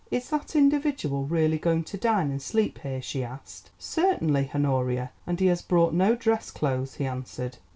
"Is that individual really going to dine and sleep here?" she asked. "Certainly, Honoria, and he has brought no dress clothes," he answered.